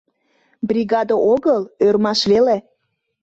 Бригаде огыл, ӧрмаш веле.